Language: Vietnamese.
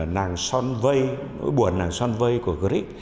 nàng son vây buồn nàng son vây của grieg